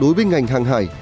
đối với ngành hàng hải